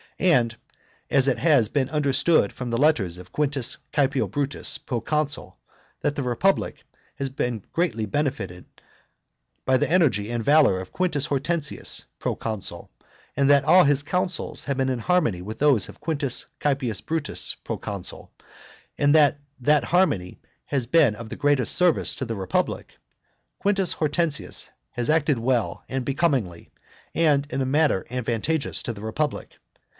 And as it has been understood from the letters of Quintus Caepio Brutus, proconsul, that the republic has been greatly benefited by the energy and valour of Quintus Hortensius, proconsul, and that all his counsels have been in harmony with those of Quintus Caepio Brutus, proconsul, and that that harmony has been of the greatest service to the republic, Quintus Hortensius has acted well and becomingly, and in a manner advantageous to the republic.